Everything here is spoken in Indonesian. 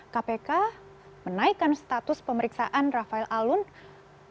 kpk menaikkan status pemeriksaan rafael alun